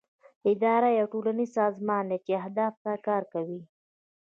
اداره یو ټولنیز سازمان دی چې اهدافو ته کار کوي.